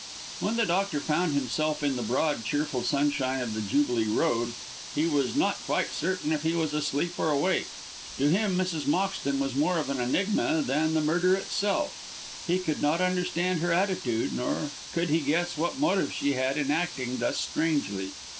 When the doctor found himself in the broad, cheerful sunshine of the Jubilee Road he was not quite certain if he was asleep or awake. To him Mrs. Moxton was more of an enigma than the murder itself. He could not understand her attitude, nor could he guess what motive she had in acting thus strangely.